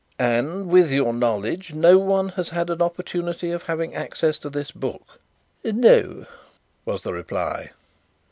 "And, with your knowledge, no one has had an opportunity of having access to this book?" "No," was the reply.